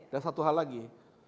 dan satu hal lagi